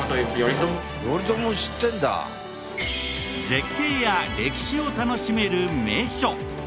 絶景や歴史を楽しめる名所。